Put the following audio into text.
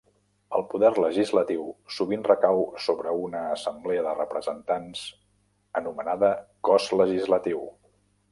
El poder legislatiu sovint recau sobre una assemblea de representants anomenada cos legislatiu.